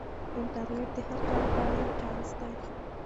انټرنیټ د هر چا لپاره یو چانس دی.